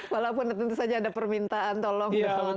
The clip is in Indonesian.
walaupun tentu saja ada permintaan tolong